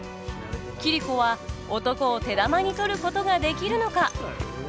桐子は男を手玉に取ることができるのか？